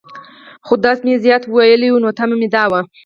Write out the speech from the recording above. خو درس مې زيات وويلى وو، نو تمه مې دا وه.